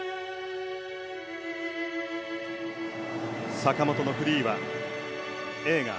坂本のフリーは映画